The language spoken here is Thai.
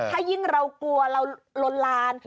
ถ้ายิ่งเรากลัวเราลนลาน